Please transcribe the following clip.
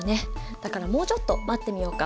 だからもうちょっと待ってみようか。